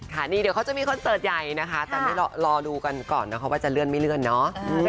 ค่ะนี่เดี๋ยวเขาจะมีคอนเสิร์ตใหญ่นะคะแต่ไม่รอดูกันก่อนนะคะว่าจะเลื่อนไม่เลื่อนเนาะ